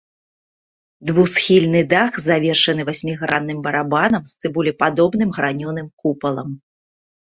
Двухсхільны дах завершаны васьмігранным барабанам з цыбулепадобным гранёным купалам.